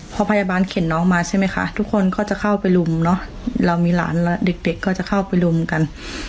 พอพยาบาลเข็นน้องมาใช่ไหมคะทุกคนก็จะเข้าไปรุมเนอะเรามีหลานแล้วเด็กก็จะเข้าไปรุมกัน